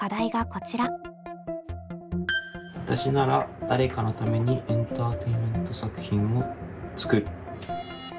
わたしなら誰かのためにエンターテインメント作品を作る。